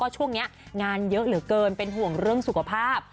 ช่วงนี้งานเยอะเหลือเกินเป็นห่วงเรื่องสุขภาพ